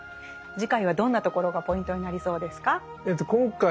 次回はどんなところがポイントになりそうですか？